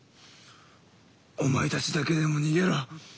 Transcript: お前たちだけでも逃げろ。